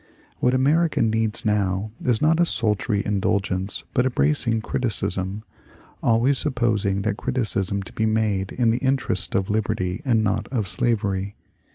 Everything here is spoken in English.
What America needs now is not a sultry indulgence but a bracing criticism, always supposing that criticism to be made in the interest of liberty and not of slavery.